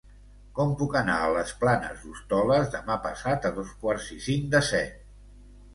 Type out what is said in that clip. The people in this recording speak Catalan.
Com puc anar a les Planes d'Hostoles demà passat a dos quarts i cinc de set?